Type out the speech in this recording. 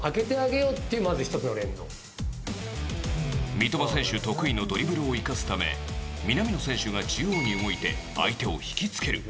三笘選手得意のドリブルを生かすため南野選手が中央に動いて相手を引きつける。